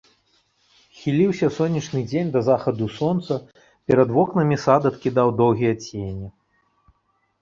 Хіліўся сонечны дзень да захаду сонца, перад вокнамі сад адкідаў доўгія цені.